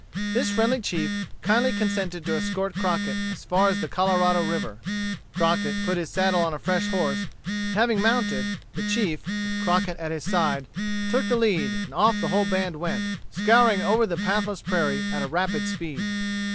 This friendly chief kindly consented to escort Crockett as far as the Colorado River. Crockett put his saddle on a fresh horse, and having mounted, the chief, with Crockett at his side, took the lead, and off the whole band went, scouring over the pathless prairie at a rapid speed.